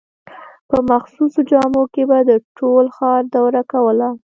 په مخصوصو جامو کې به د ټول ښار دوره کوله.